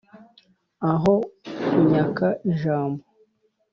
Aho kunyaka ijambo!